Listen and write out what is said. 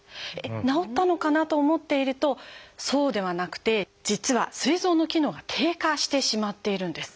治ったのかなと思っているとそうではなくて実はすい臓の機能が低下してしまっているんです。